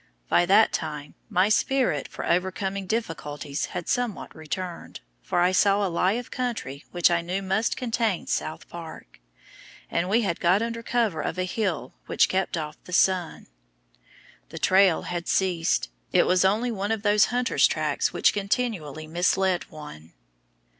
By that time my spirit for overcoming difficulties had somewhat returned, for I saw a lie of country which I knew must contain South Park, and we had got under cover of a hill which kept off the sun. The trail had ceased; it was only one of those hunter's tracks which continually mislead one.